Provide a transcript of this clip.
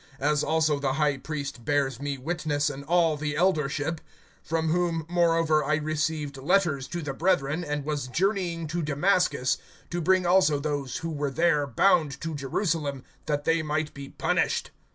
(5)As also the high priest bears me witness, and all the eldership; from whom, moreover, I received letters to the brethren, and was journeying to Damascus, to bring also those who were there bound to Jerusalem, that they might be punished.